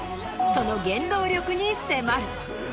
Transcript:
その原動力に迫る。